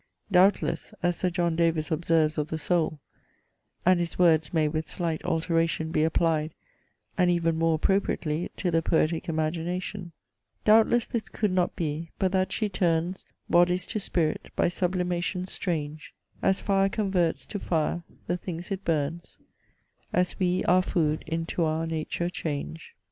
Doubtless, as Sir John Davies observes of the soul (and his words may with slight alteration be applied, and even more appropriately, to the poetic Imagination) Doubtless this could not be, but that she turns Bodies to spirit by sublimation strange, As fire converts to fire the things it burns, As we our food into our nature change.